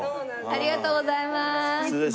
ありがとうございます。